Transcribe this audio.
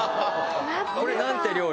これ、なんて料理？